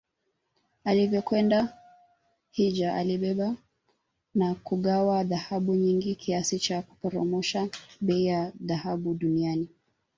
Alivyokwenda hijja alibeba na kugawa dhahabu nyingi kiasi cha kuporomosha bei ya dhahabu duniani